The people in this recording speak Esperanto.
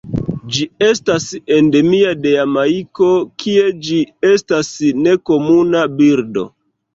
Ĝi estas endemia de Jamajko, kie ĝi estas nekomuna birdo.